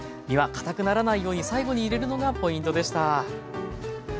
身はかたくならないように最後に入れるのがポイントでした。